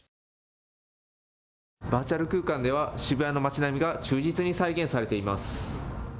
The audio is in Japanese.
バーチャル空間では渋谷の町並みが忠実に再現されています。